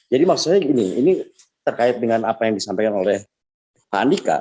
jadi maksudnya gini ini terkait dengan apa yang disampaikan oleh pak andika